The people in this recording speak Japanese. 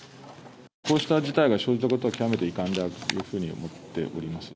こうした事態が生じたことは極めて遺憾であるというふうに思っております。